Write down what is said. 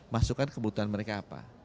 masukkan kebutuhan mereka apa